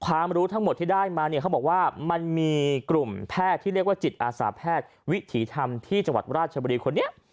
รู้ทั้งหมดที่ได้มาเนี่ยเขาบอกว่ามันมีกลุ่มแพทย์ที่เรียกว่าจิตอาสาแพทย์วิถีธรรมที่จังหวัดราชบุรีคนนี้